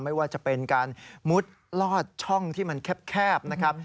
ไม่ว่าจะเป็นการมุดลอดช่องที่มันแคบนะครับ